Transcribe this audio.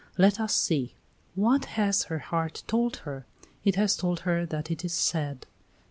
Let us see. "What has her heart told her?" "It has told her that it is sad."